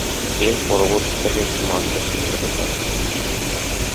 এটি পরবর্তীকালে একটি "মাদ্রাসা" হিসাবে কাজ করেছিল।